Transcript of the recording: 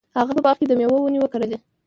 هغه په باغ کې د میوو ونې وکرلې.